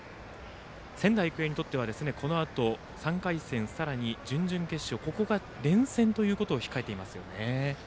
仙台育英にとってはこのあと３回戦さらに準々決勝、ここが連戦ということを控えています。